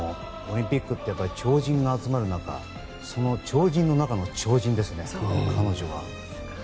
オリンピックって超人が集まる中その超人の中の超人ですね彼女は。